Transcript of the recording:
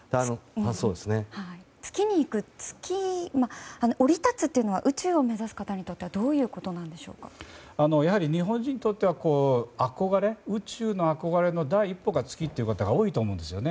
月に降り立つというのは宇宙を目指す方にとってはやはり日本人にとっては宇宙の憧れの第一歩が月という方が多いと思うんですよね。